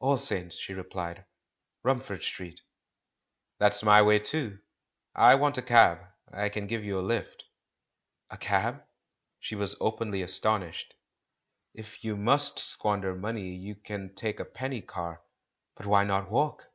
"All Saints," she replied; "Rumford Street." "That's my way, too. I want a cab — I can give you a lift." "A cab?" She was openly astonished. "If 404. THE MAN WHO UNDERSTOOD WOMEN you must squander money, you can take a penny car. But why not walk?"